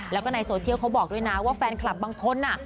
เขาบอกด้วยนะว่าแฟนคลับบางคนน่ะ